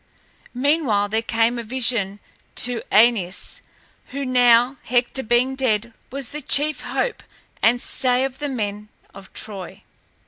Meanwhile there came a vision to Æneas, who now, Hector being dead, was the chief hope and stay of the men of Troy.